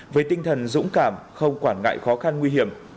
với tinh thần dũng cảm không quản ngại khó khăn nguy hiểm